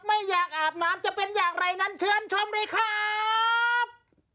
ไม่อยากอาบน้ำจะเป็นอย่างไรนั้นเชิญชมเลยครับ